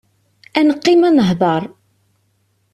Ad neqqim ad nehder!